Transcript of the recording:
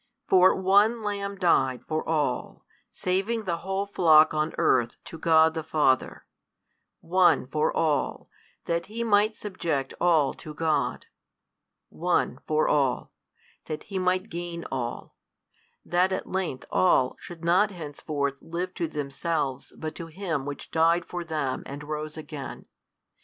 For one Lamb died for all, saving the whole flock on earth to God the Father, One for all, that He might subject all to God, One for all, that He might gain all: that at length all should not henceforth live to themselves but to Him Which died for them and rose again.